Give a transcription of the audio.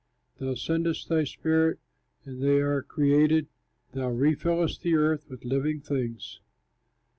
Thou sendest thy spirit, and they are created; Thou refillest the earth with living things.